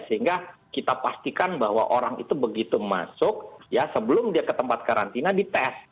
sehingga kita pastikan bahwa orang itu begitu masuk ya sebelum dia ke tempat karantina dites